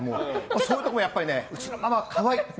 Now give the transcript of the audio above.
そういうところもやっぱりうちのママ、可愛い。